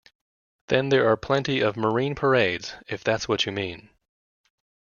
Then there are plenty of Marine Parades, if that’s what you mean.